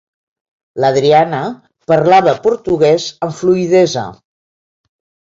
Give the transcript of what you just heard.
L'Adriana parlava portuguès amb fluïdesa.